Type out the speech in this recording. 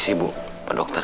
apa sih bu pak dokter